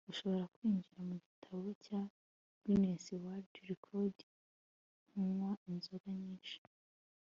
Urashobora kwinjira mu gitabo cya Guinness World Records nkunywa inzoga nyinshi